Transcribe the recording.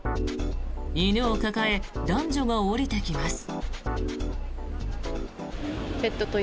犬を抱え男女が降りてきます。